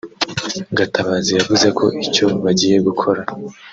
Gatabazi yavuze ko icyo bagiye gukora